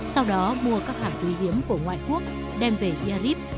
sau đó mua các hàng tùy hiếm của ngoại quốc đem về yarib